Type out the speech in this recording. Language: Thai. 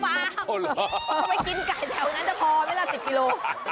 เขาให้กินไก่แถวนั้นก็พอ๑๐ฮิโล